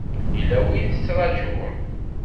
Yella win i tettṛajum?